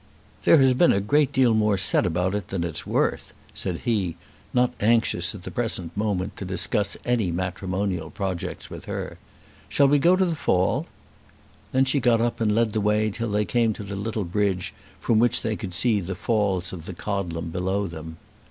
"There has been a great deal more said about it than it's worth," said he, not anxious at the present moment to discuss any matrimonial projects with her. "Shall we go on to the Fall?" Then she got up and led the way till they came to the little bridge from which they could see the Falls of the Codlem below them.